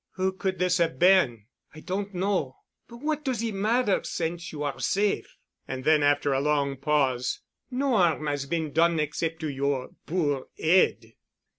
"Who could this have been?" "I don' know. But what does it matter since you are safe?" And then, after a long pause, "No harm 'as been done except to your poor head.